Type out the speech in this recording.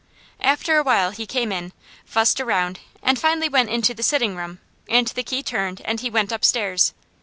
After a while he came in, fussed around, and finally went into the sitting room, and the key turned and he went upstairs.